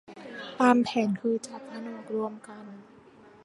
ตามแผนคือจะผนวกรวมกัน